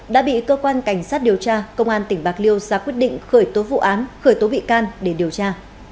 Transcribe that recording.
đã bị cơ quan cảnh sát điều tra công an tỉnh bạc liêu ra quyết định khởi tố vụ án khởi tố bị can để điều tra